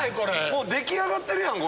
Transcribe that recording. もう出来上がってるやん